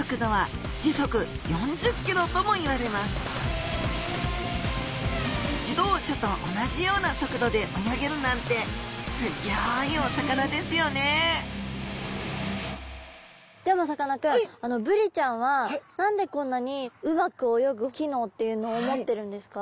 しかも自動車と同じような速度で泳げるなんてすギョいお魚ですよねでもさかなクンブリちゃんは何でこんなにうまく泳ぐ機能っていうのを持ってるんですか？